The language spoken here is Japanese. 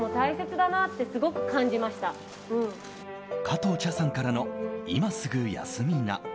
加藤茶さんからの「今すぐ休みな」。